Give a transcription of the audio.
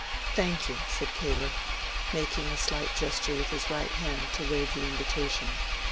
"Thank you," said Caleb, making a slight gesture with his right hand to waive the invitation.